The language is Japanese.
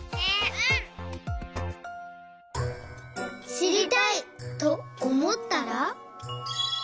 「しりたい！」とおもったら。